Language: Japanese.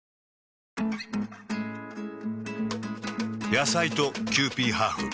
野菜とキユーピーハーフ。